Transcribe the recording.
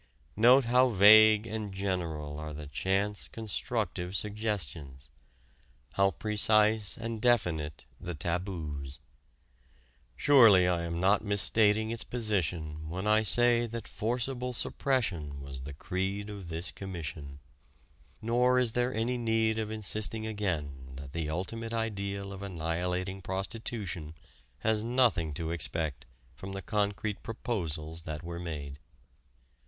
Note how vague and general are the chance constructive suggestions; how precise and definite the taboos. Surely I am not misstating its position when I say that forcible suppression was the creed of this Commission. Nor is there any need of insisting again that the ultimate ideal of annihilating prostitution has nothing to expect from the concrete proposals that were made.